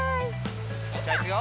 じゃあいくよ！